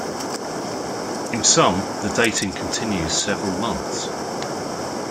In some, the dating continues several months.